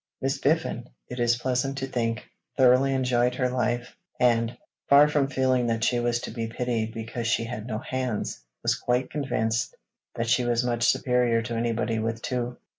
Miss Biffin, it is pleasant to think, thoroughly enjoyed her life, and, far from feeling that she was to be pitied because she had no hands, was quite convinced that she was much superior to anybody with two.